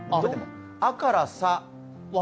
「あ」から「さ」